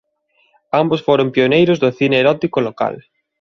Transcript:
Ambos foron pioneiros do cine erótico local.